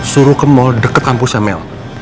suruh ke mall dekat kampusnya mel